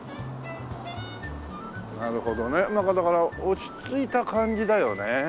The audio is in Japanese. なるほどねなんかだから落ち着いた感じだよね。